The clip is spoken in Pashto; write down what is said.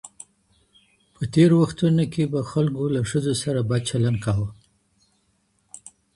په تېرو وختونو کي به خلګو له ښځو سره بد چلند کاوه.